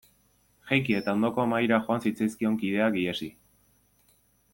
Jaiki eta ondoko mahaira joan zitzaizkion kideak ihesi.